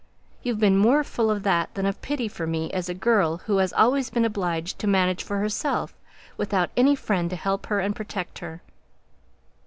You've been more full of that than of pity for me as a girl who has always been obliged to manage for herself, without any friend to help her and protect her."